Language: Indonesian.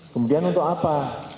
kemudian untuk apa